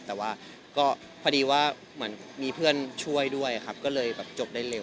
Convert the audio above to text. แต่ว่าพอดีว่ามีเพื่อนช่วยด้วยครับก็เลยจบได้เร็ว